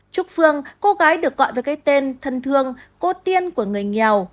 trúc phương cô gái được gọi với cái tên thân thương cô tiên của người nghèo